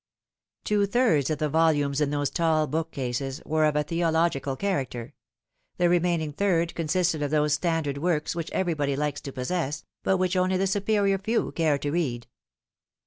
Two thirds of the volumes in those tall bookcases were of a theological character ; the remaining third consisted of those standard works which everybody likes to possess, but which only the superior few care to read.